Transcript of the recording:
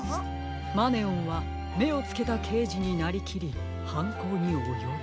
「マネオンはめをつけたけいじになりきりはんこうにおよぶ」。